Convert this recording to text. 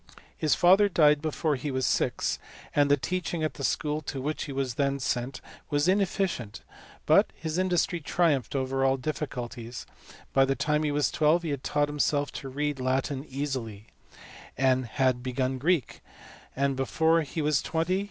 His father died before he was six, and the teaching at the school to which he was then sent was ineffi cient, but his industry triumphed over all difficulties ; by the time he was twelve he had taught himself to read Latin easily, and had begun Greek ; and before he was twenty he had * See the life of Leibnitz by G.